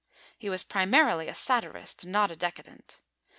He was primarily a Satirist, not a Decadent.